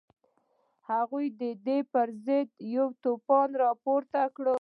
هغوی د ده په ضد یو توپان راپورته کړ.